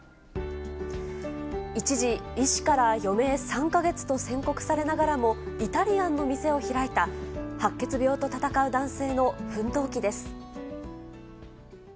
一時、医師から余命３か月と宣告されながらも、イタリアンの店を開いた、白血病と闘う男性の奮闘記です。